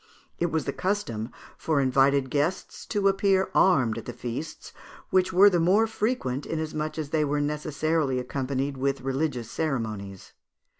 It was the custom for invited guests to appear armed at the feasts, which were the more frequent, inasmuch as they were necessarily accompanied with religious ceremonies.